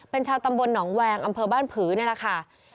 เป็นชาวตำบลหนองแวงอำเภอบ้านผือนี่แหละค่ะ